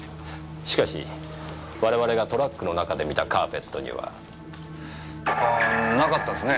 しかし我々がトラックの中で見たカーペットには。ああなかったですね。